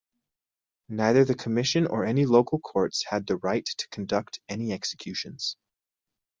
Neither the commission or any local courts had the rights to conduct any executions.